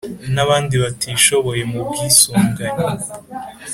N abandi batishoboye mu bwisungane